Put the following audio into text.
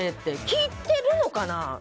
聞いてるのかな？